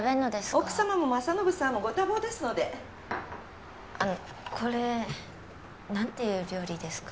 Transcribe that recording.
奥様も政信さんもご多忙ですのであのこれ何ていう料理ですか？